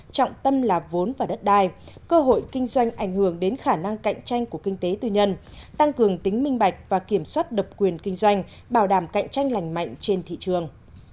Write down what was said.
trọng tâm là vốn và đất đai cơ hội kinh doanh ảnh hưởng đến khả năng cạnh tranh của kinh tế tư nhân tăng cường tính minh bạch và kiểm soát độc quyền kinh doanh bảo đảm cạnh tranh lành mạnh trên thị trường